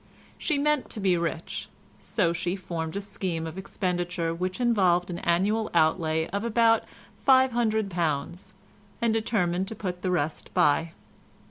She meant to be rich, so she formed a scheme of expenditure which involved an annual outlay of about £500, and determined to put the rest by.